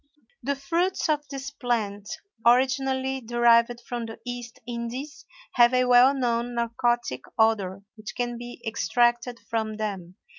The fruits of this plant, originally derived from the East Indies, have a well known narcotic odor which can be extracted from them.